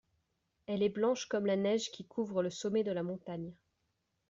Elle est blanche comme la neige qui couvre le sommet de la montagne.